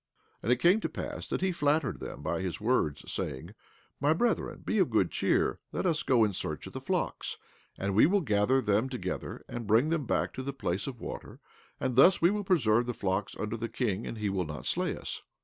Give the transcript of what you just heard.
17:31 And it came to pass that he flattered them by his words, saying: My brethren, be of good cheer and let us go in search of the flocks, and we will gather them together and bring them back unto the place of water; and thus we will preserve the flocks unto the king and he will not slay us.